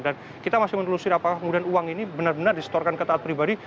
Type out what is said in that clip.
dan kita masih menelusuri apakah kemudian uang ini benar benar disetorkan ke taat pribadi